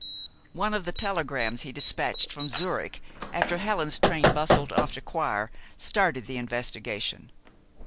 One of the telegrams he dispatched from Zurich after Helen's train bustled off to Coire started the investigation.